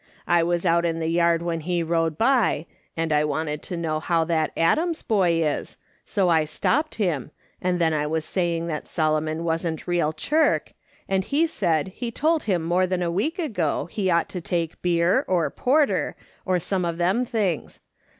I was out in the yard when he rode by, and I wanted to know how that Adams boy is, so I stopped him, and then I was saying that Solomon wasn't real chirk, and he said he told him more than a week ago he ought to take beer, or porter, or some of them things.